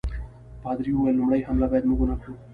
پادري وویل لومړی حمله باید موږ ونه کړو.